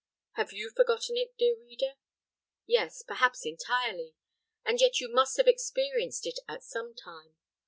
Have you forgotten it, dear reader? Yes perhaps entirely; and yet you must have experienced it at some time.